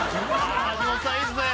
あ橋本さんいいですね。